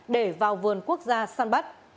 để vào vườn quốc gia săn bắt